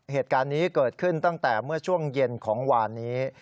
เหตุการณ์นี้เกิดขึ้นตั้งแต่เมื่อช่วงเย็นของวานนี้